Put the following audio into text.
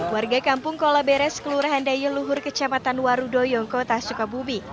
warga kampung kola beres kelurahan dayu luhur kecamatan warudo yongkota sukabumi